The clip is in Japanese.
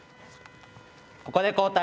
ここで交代。